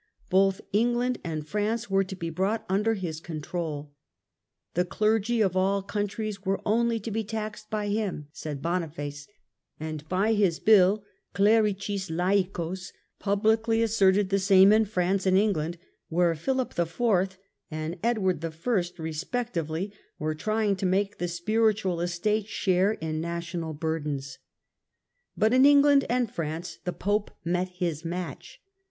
Both England and France were to be brought under his control. The clergy of all countries were only to be taxed by him, said Boniface, and by his Bull Clericis Laioos publicly asserted the same in France and England, where Philip IV. and Edward I. respectively were trying to make the spiritual estate share in national burdens. But in England and France the Pope met his match.